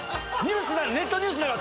ネットニュースになるわ。